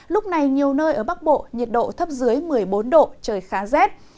lúc này nhiều nơi ở bắc bộ nhiệt độ thấp dưới một mươi bốn độ trời khá rét